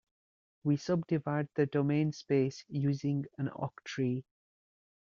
We subdivide the domain space using an octree.